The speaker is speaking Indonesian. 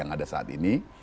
yang pertama itu ada saat ini